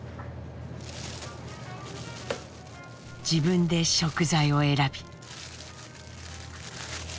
自分で食材を選び。